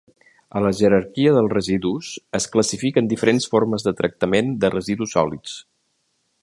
A la jerarquia dels residus es classifiquen diferents formes de tractament de residus sòlids.